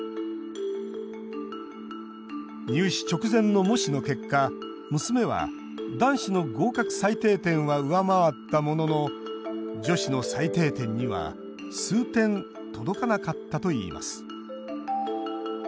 入試直前の模試の結果娘は、男子の合格最低点は上回ったものの女子の最低点には数点届かなかったといいます。